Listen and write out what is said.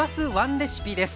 レシピです。